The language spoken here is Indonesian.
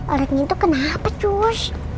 orang itu kenapa tush